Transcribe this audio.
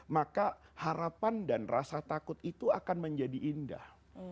maka harapan dan rasa takut itu akan menjadi indah